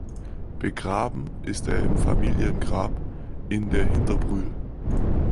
Begraben ist er im Familiengrab in der Hinterbrühl.